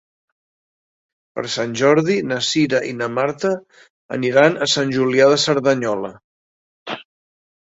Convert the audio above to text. Per Sant Jordi na Cira i na Marta aniran a Sant Julià de Cerdanyola.